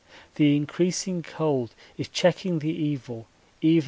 The increasing cold is checking the evil even as I write.